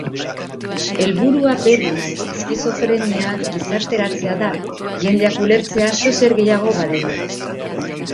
Helburua, berriz, eskizofrenia gizarteratzea da, jendeak ulertzea zeozer gehiago badela.